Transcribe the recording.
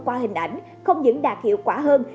qua hình ảnh không những đạt hiệu quả hơn